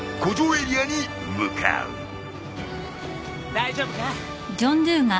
大丈夫か？